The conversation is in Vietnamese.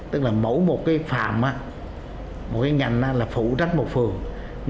tức là mẫu một cái phàm một cái nhành là phụ trách một phường